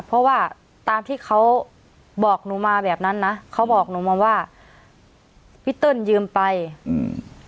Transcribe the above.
เพราะว่าตามที่เขาบอกหนูมาแบบนั้นนะเขาบอกหนูมาว่าพี่เติ้ลยืมไปอืม